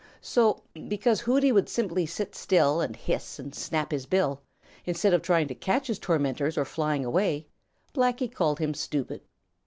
So, because Hooty would simply sit still and hiss and snap his bill, instead of trying to catch his tormentors or flying away, Blacky called him stupid.